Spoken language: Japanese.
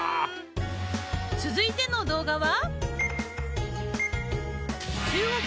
続いての動画は。